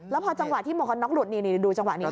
แล้วพอจังหวะที่หมวกกันน็อกหลุดนี่ดูจังหวะนี้